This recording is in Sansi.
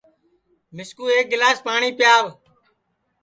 مِسکُو ایک گِلاس پاٹؔی پیاو